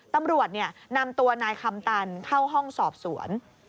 ตำรวจนำตัวนายคำตันเข้าห้องสอบสวน